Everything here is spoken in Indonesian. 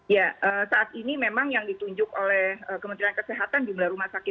ya saat ini memang yang ditunjuk oleh kementerian kesehatan jumlah rumah sakit